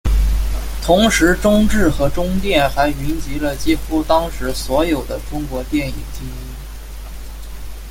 同时中制和中电还云集了几乎当时所有的中国电影精英。